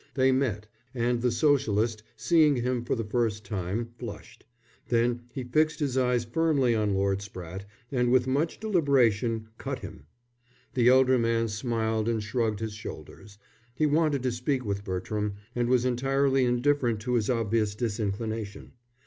They met, and the Socialist, seeing him for the first time, flushed; then he fixed his eyes firmly on Lord Spratte and with much deliberation cut him. The elder man smiled and shrugged his shoulders. He wanted to speak with Bertram, and was entirely indifferent to his obvious disinclination.